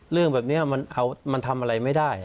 เรื่องแบบนี้มันทำอะไรไม่ได้